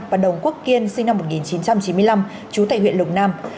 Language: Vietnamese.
và đồng quốc kiên sinh năm một nghìn chín trăm chín mươi năm chú tại huyện lục nam